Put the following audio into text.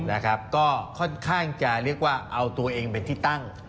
นะครับก็ค่อนข้างจะเรียกว่าเอาตัวเองเป็นที่ตั้ง